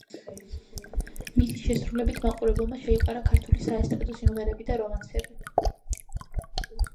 მისი შესრულებით მაყურებელმა შეიყვარა ქართული საესტრადო სიმღერები და რომანსები.